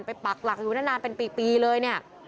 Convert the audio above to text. ปักหลักอยู่นานเป็นปีเลยเนี่ย